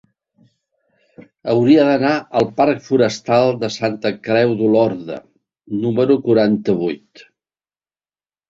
Hauria d'anar al parc Forestal de Santa Creu d'Olorda número quaranta-vuit.